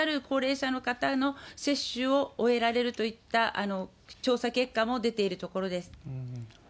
高齢者の方の接種を終えられるといった調査結果も出ているところです。